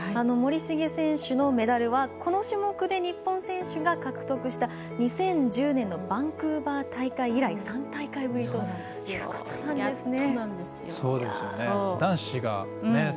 森重選手のメダルはこの種目で日本選手が獲得した２０１０年のバンクーバー大会以来３大会ぶりということなんですね。